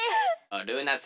ルーナさん